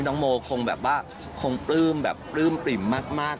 น้องโมคงแบบว่าคงปลื้มปริ่มมาก